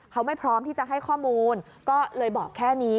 เขาไม่พร้อมที่จะให้ข้อมูลก็เลยบอกแค่นี้